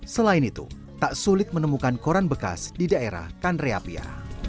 selain itu tak sulit menemukan koran bekas di daerah kanreapia